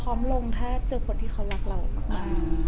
พร้อมลงถ้าเจอคนที่เขารักเรามาก